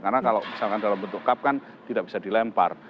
karena kalau misalkan dalam bentuk cup kan tidak bisa dilempar